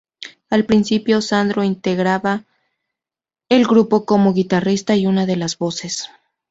Al principio Sandro integraba el grupo como guitarrista y una de las voces.